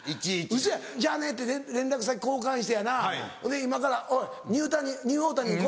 ウソやん「じゃあね」って連絡先交換してやなほんで「今からおいニューオータニに来い」。